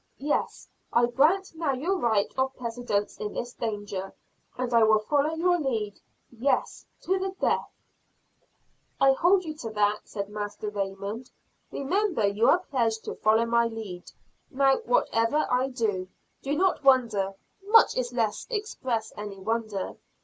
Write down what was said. "Yes, I grant now your right of precedence in this danger, and I will follow your lead yes, to the death!" "I hold you to that," said Master Raymond. "Remember you are pledged to follow my lead. Now, whatever I do, do not wonder, much less express any wonder.